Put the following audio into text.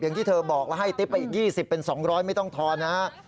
อย่างที่เธอบอกแล้วให้ติ๊บไปอีก๒๐เป็น๒๐๐ไม่ต้องทอนนะฮะ